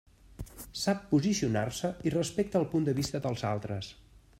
Sap posicionar-se i respecta el punt de vista dels altres.